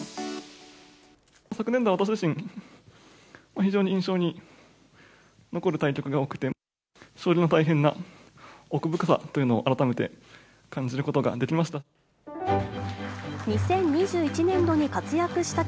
昨年度は私自身、非常に印象に残る対局が多くて、将棋の大変な奥深さというのを改めて感じることができました。